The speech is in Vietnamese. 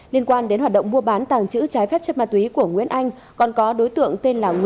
liên quan đến hoạt động mua bán tàng chữ trái phép chất ma túy của nguyễn anh